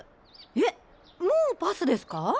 えっもうパスですか？